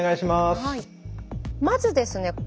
まずですね